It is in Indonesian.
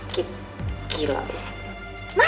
kau mau kemana